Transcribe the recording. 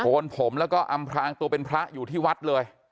นผมแล้วก็อำพลางตัวเป็นพระอยู่ที่วัดเลย